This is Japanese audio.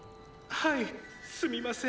はいすみません。